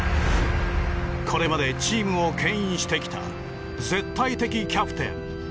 これまでチームを牽引してきた絶対的キャプテン